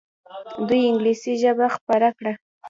دوی انګلیسي ژبه خپره کړه.